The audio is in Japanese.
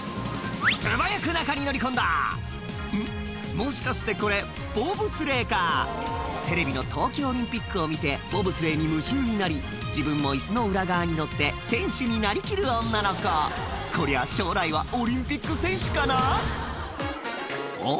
もしかしてこれボブスレーかテレビの冬季オリンピックを見てボブスレーに夢中になり自分も椅子の裏側に乗って選手になりきる女の子こりゃ将来はオリンピック選手かなおっ？